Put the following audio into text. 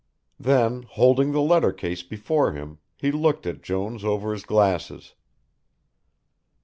Then holding the letter case before him he looked at Jones over his glasses.